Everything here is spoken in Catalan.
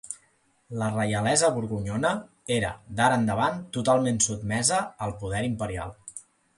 La reialesa borgonyona era d'ara endavant totalment sotmesa al poder imperial.